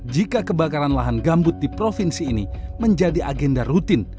jika kebakaran lahan gambut di provinsi ini menjadi agenda rutin